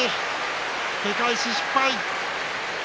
け返し失敗。